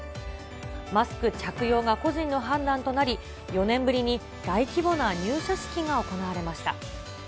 マスク着用が個人の判断となり、４年ぶりに大規模な入社式が行われました。